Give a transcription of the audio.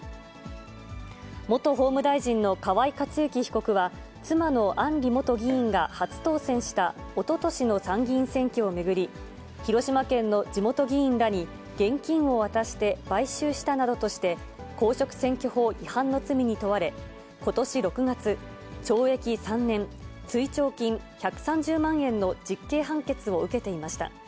元法務大臣の河井克行被告は、妻の案里元議員が初当選したおととしの参議院選挙を巡り、広島県の地元議員らに、現金を渡して買収したなどとして、公職選挙法違反の罪に問われ、ことし６月、懲役３年、追徴金１３０万円の実刑判決を受けていました。